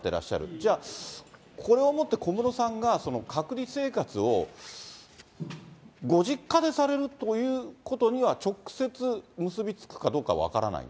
じゃあ、これをもって、小室さんが隔離生活をご実家でされるということには、直接結び付くかどうかは分からない？